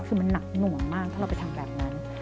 คือมันหนักหน่วงมากถ้าเราไปทำแบบนั้น